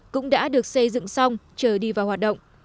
cũng đã được xây dựng xong chờ đi vào hoạt động